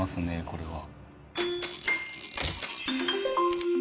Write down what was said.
これは。